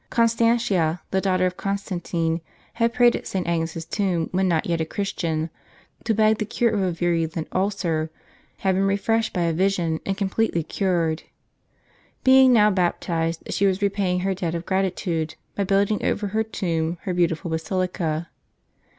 Constantia, the daughter of Constantine, had prayed at St. Agnes's tomb, when not yet a Christian, to beg the cure of a virulent ulcer, had been refreshed by a vision, and completely cured. Being now baptized, she was repaying her debt of gratitude, by building over her tomb her beautiful basilica.